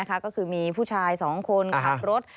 ก็คือมีผู้ชาย๒คนขับรถ